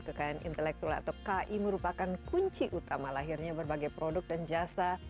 kekayaan intelektual atau ki merupakan kunci utama lahirnya berbagai produk dan jasa